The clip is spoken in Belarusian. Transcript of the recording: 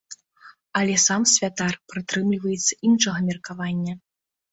Але сам святар прытрымліваецца іншага меркавання.